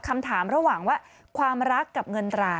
คำถามระหว่างว่าความรักกับเงินตรา